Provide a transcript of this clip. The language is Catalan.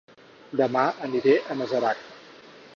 Dema aniré a Masarac